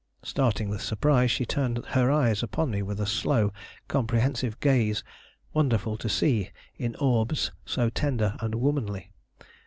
Starting with surprise, she turned her eyes upon me with a slow, comprehensive gaze wonderful to see in orbs so tender and womanly.